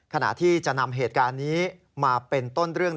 ขณะที่จะนำเหตุการณ์นี้มาเป็นต้นเรื่อง